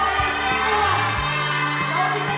jadi pemain sinetron